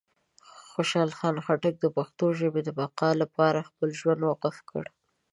خوشحال خان خټک د پښتو ژبې د بقا لپاره خپل ژوند وقف کړی و.